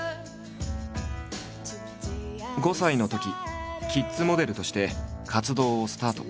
５歳のときキッズモデルとして活動をスタート。